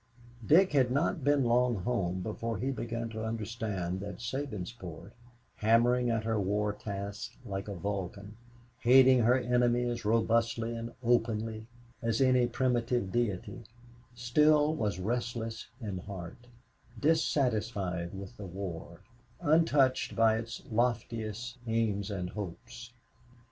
Dick had not been long home before he began to understand that Sabinsport, hammering at her war tasks like a Vulcan, hating her enemy as robustly and openly as any primitive deity, still was restless in heart, dissatisfied with the war, untouched by its loftiest aims and hopes.